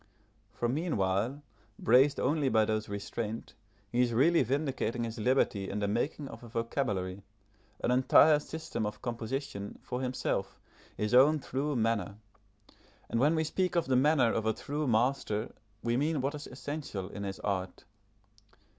For meanwhile, braced only by those restraints, he is really vindicating his liberty in the making of a vocabulary, an entire system of composition, for himself, his own true manner; and when we speak of the manner of a true master we mean what is essential in his art.